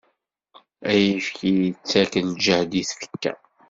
Ayefki yettakk ljehd i tfekka.